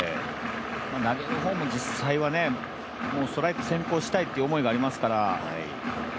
投げの方も実際はストライク先行したい思いがありますから。